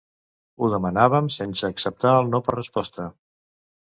Ho demanàvem sense acceptar el no per resposta.